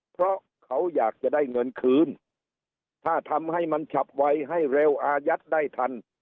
เพราะเขาอยากจะได้เงินคืนถ้าทำให้มันฉับไวให้เร็วอายัดได้ทัน